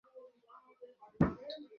সবার পুকটি কি লাল করবি নাকি আমরা ভারতীয়।